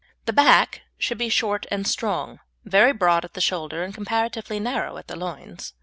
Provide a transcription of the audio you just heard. The back should be short and strong, very broad at the shoulder and comparatively narrow at the loins.